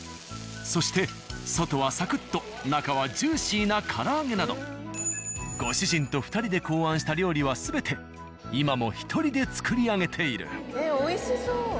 そして外はサクッと中はジューシーな唐揚げなどご主人と２人で考案した料理は全て今も１人で作り上げている。